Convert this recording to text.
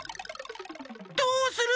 どうする？